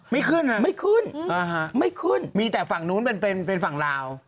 ไม่ขึ้นเหรอคะอ่ะฮะไม่ขึ้นมีแต่ฝั่งโน้นเป็นฝั่งลาว